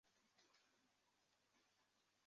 班洪事件中曾率岩帅武装支援班洪抗英。